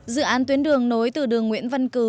dự án tuyến đường nối từ đường nguyễn văn cử